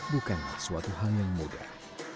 bukanlah suatu hal yang mudah